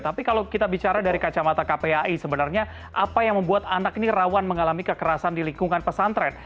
tapi kalau kita bicara dari kacamata kpai sebenarnya apa yang membuat anak ini rawan mengalami kekerasan di lingkungan pesantren